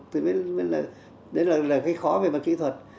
thế mới là cái khó về bằng kỹ thuật